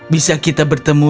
bisa kita bertemu